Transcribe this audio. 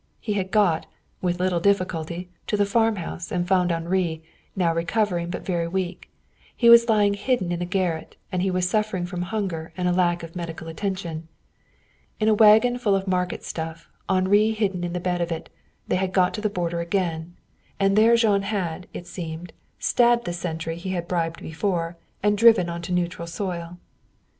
He had got, with little difficulty, to the farmhouse, and found Henri, now recovering but very weak; he was lying hidden in a garret, and he was suffering from hunger and lack of medical attention. In a wagon full of market stuff, Henri hidden in the bed of it, they had got to the border again. And there Jean had, it seemed, stabbed the sentry he had bribed before and driven on to neutral soil.